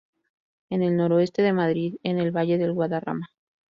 En el noroeste de Madrid, en el Valle del Guadarrama.